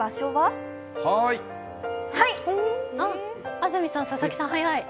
安住さん、佐々木さん、早い。